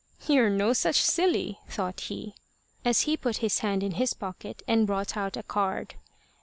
"You're no such silly!" thought he, as he put his hand in his pocket, and brought out a card.